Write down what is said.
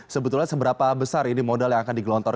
sebetulnya seberapa besar ini modal yang akan digelontorkan